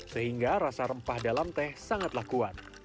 sehingga rasa rempah dalam teh sangatlah kuat